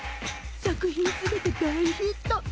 作品全て大ヒット。